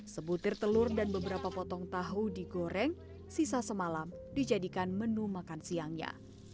sebutir telur dan beberapa potong tahu digoreng sisa semalam dijadikan menu makan siangnya